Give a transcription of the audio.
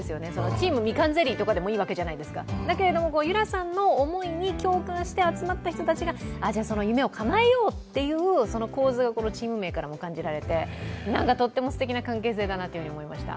チームみかんゼリーとかでもいいわけじゃないですか、でも結桜さんの思いに共感して集まった人たちが、その夢をかなえようっていう構図がこのチーム名からも感じられてとってもすてきな関係性だなと思いました。